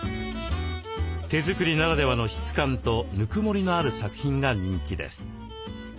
手作りならではの質感とぬくもりのある作品が人気です。